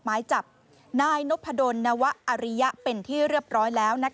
หมายจับนายนพดลนวะอริยะเป็นที่เรียบร้อยแล้ว